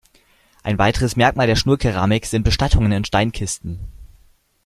Ein weiteres Merkmal der Schnurkeramik sind Bestattungen in Steinkisten.